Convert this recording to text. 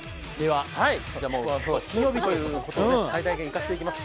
金曜日ということで最大限生かしていきます。